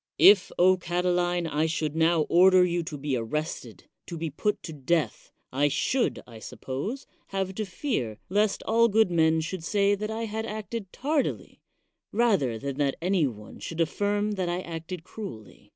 If, Catiline, I should now order you to be arrested, to be put to death, I should, I suppose, have to fear lest all good men should say that I had acted tardily, rather than that any one should aflSrm that I acted cruelly.